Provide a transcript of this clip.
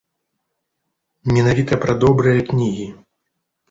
Менавіта пра добрыя кнігі.